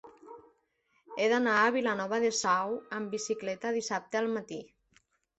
He d'anar a Vilanova de Sau amb bicicleta dissabte al matí.